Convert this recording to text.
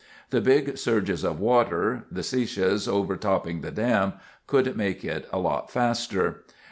The big surges of water—the seiches overtopping the dam—would make it a lot faster.